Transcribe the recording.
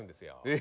え！